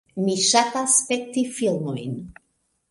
Mi ŝatas spekti filmojn.